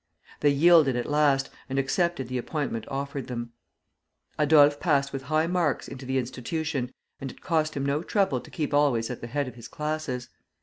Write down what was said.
They yielded at last, and accepted the appointment offered them. Adolphe passed with high marks into the institution, and it cost him no trouble to keep always at the head of his classes.